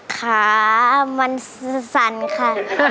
ค่ะมันสั่นค่ะ